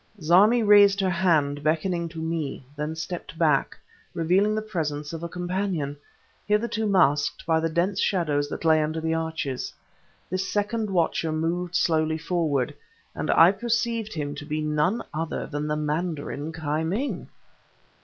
Zarmi raised her hand, beckoning to me, then stepped back, revealing the presence of a companion, hitherto masked by the dense shadows that lay under the arches. This second watcher moved slowly forward, and I perceived him to be none other than the mandarin Ki Ming.